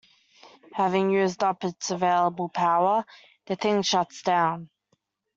Having used up its available power, The Thing shuts down.